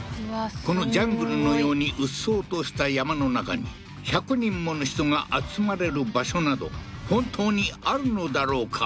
このジャングルのようにうっそうとした山の中に１００人もの人が集まれる場所など本当にあるのだろうか？